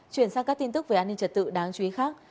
chuyển sang các tin tức về an ninh trật tự đáng chú ý khác